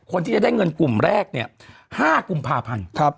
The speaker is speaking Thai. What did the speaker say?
คนที่จะได้เงินกลุ่มแรกเนี่ย๕กุมภาพันธ์